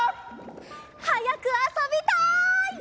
はやくあそびたい！